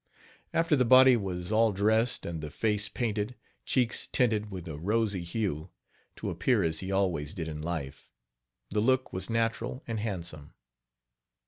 After the body was all dressed, and the face painted, cheeks tinted with a rosy hue, to appear as he always did in life, the look was natural and handsome.